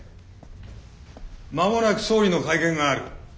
間もなく総理の会見がある。